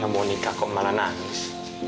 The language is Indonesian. mau nikah kok malah nangis